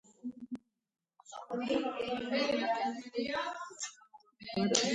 ეკლესიაში და მის გარშემო ჩამოვარდნილია კედლის ფრაგმენტები.